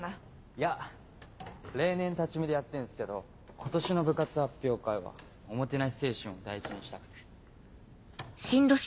いや例年立ち見でやってんすけど今年の部活発表会はおもてなし精神を大事にしたくて。